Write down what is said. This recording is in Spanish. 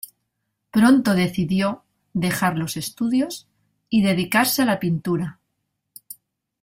Pronto decidió dejar los estudios y dedicarse a la pintura.